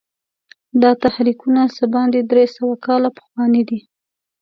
دا تحریکونه څه باندې درې سوه کاله پخواني دي.